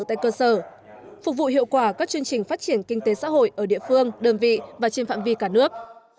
tại cơ sở phục vụ hiệu quả các chương trình phát triển kinh tế xã hội ở địa phương đơn vị và trên phạm vi cả nước